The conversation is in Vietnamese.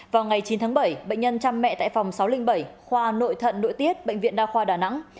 vào ngày chín tháng bảy bệnh nhân chăm mẹ tại phòng sáu trăm linh bảy khoa nội thận nội tiết bệnh viện đa khoa đà nẵng